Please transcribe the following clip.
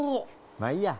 まあいいや。